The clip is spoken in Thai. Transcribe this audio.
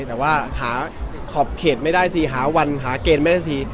แต่ว่าหาขอบเขตไม่ได้สิหาวันหาเกณฑ์ไม่ได้สิ